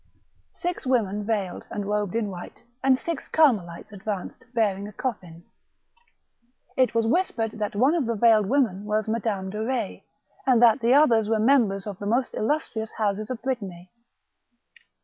Six women, veiled, and robed in white, and six^ Carmelites advanced bearing a coffin. It was whispered that one of the veiled women wa* j THE MARl^CHAL DE RETZ. 237 Sladame de Retz, and that the others were members of the most illustrious houses of Brittany.